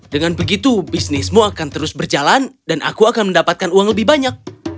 dengan begitu bisnismu akan terus berjalan dan aku akan mendapatkan uang lebih banyak